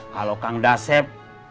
kalo kang dasep